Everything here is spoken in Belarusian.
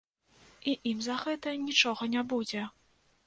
І ім за гэта нічога не будзе.